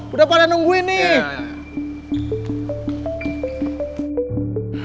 udah pada nungguin nih